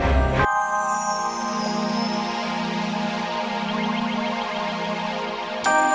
kau akan tetap menjadi permaisuriku